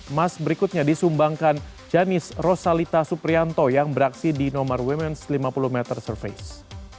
emas berikutnya disumbangkan janis rosalita suprianto yang beraksi di nomar women lima puluh m surface